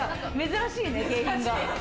珍しいね、景品が。